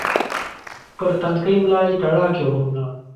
پر تنکۍ ملا یې تڼاکې غرونه